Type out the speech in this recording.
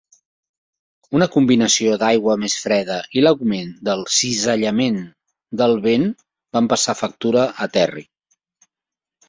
Una combinació d'aigua més freda i l'augment del cisallament del vent van passar factura a Terry.